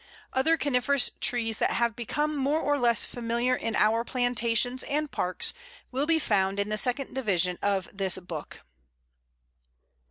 Other coniferous trees that have become more or less familiar in our plantations and parks will be found in the second division of this book.